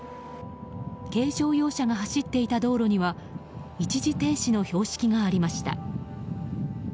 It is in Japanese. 軽乗用車が走っていた道路には一時停止の標識がありました。